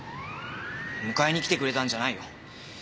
迎えに来てくれたんじゃないよ。